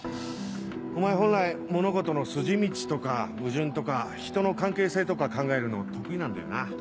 お前本来物事の筋道とか矛盾とか人の関係性とか考えるの得意なんだよな。